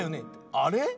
あれ？